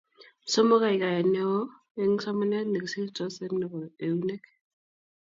Somok, kaikaet neo eng somanet ne kisiirstos eng nebo eunek